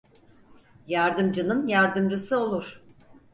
Yardımcının yardımcısı olur.